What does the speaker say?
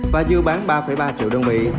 và dư bán ba ba triệu đơn vị